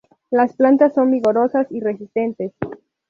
Las plantas son vigorosas y resistentes.